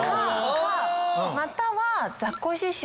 または。